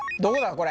これ。